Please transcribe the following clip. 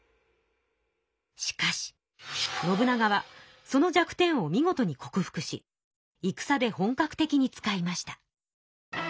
しかし信長はその弱点をみごとに克服しいくさで本格的に使いました。